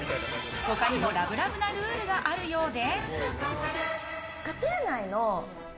他にもラブラブなルールがあるようで。